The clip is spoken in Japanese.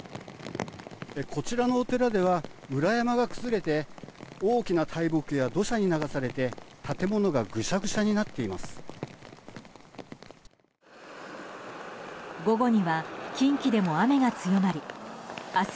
こちらのお寺では裏山が崩れて大きな大木や土砂が流されて建物がぐしゃぐしゃになっています。